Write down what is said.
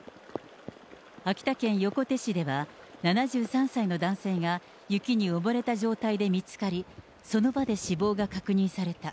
秋田県横手市では、７３歳の男性が、雪に埋もれた状態で見つかり、その場で死亡が確認された。